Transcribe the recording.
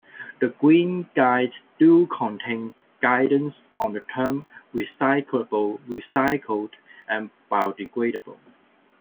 The Green Guides do contain guidance on the term recyclable, recycled and biodegradable.